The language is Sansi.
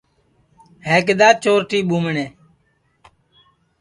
ہے کِدؔا چورٹی ٻُومنیں